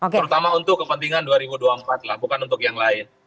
terutama untuk kepentingan dua ribu dua puluh empat lah bukan untuk yang lain